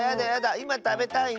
いまたべたいの。